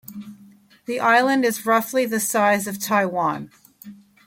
The island is roughly the size of Taiwan.